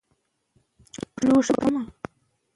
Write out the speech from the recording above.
میوې باید بهر ته صادر شي.